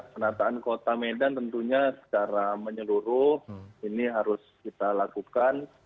penataan kota medan tentunya secara menyeluruh ini harus kita lakukan